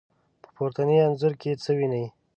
په پورتني انځور کې څه وينئ؟